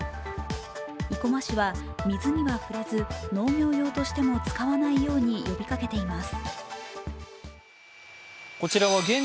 生駒市は水には触れず、農業用としても使わないように呼びかけています。